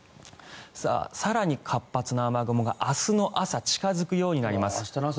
更に活発な雨雲が明日の朝近付くようになります。